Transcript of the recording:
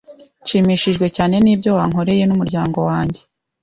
Nshimishijwe cyane nibyo wankoreye n'umuryango wanjye.